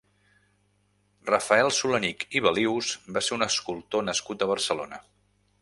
Rafael Solanic i Balius va ser un escultor nascut a Barcelona.